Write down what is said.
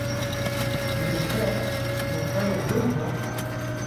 Wê ker muxtarê gund ba